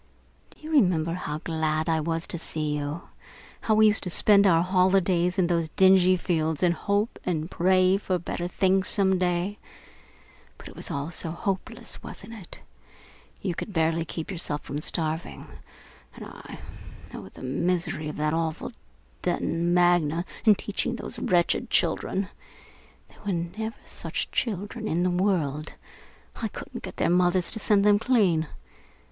"Do you remember how glad I was to see you? How we used to spend our holidays out in those dingy fields and hope and pray for better things some day? But it was all so hopeless, wasn't it! You could barely keep yourself from starving, and I oh, the misery of that awful Detton Magna and teaching those wretched children! There never were such children in the world. I couldn't get their mothers to send them clean.